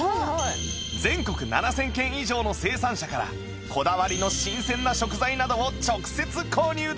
全国７０００軒以上の生産者からこだわりの新鮮な食材などを直接購入できる